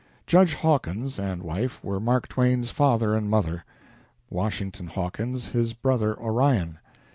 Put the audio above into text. Judge Hawkins and wife were Mark Twain's father and mother; Washington Hawkins, his brother Orion.